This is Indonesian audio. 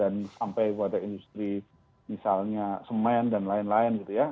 dan sampai pada industri misalnya semen dan lain lain gitu ya